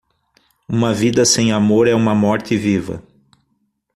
Uma vida sem amor é uma morte viva.